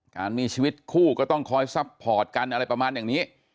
การมีชีวิตคู่ก็ต้องคอยซัพพอร์ตกันอะไรประมาณอย่างนี้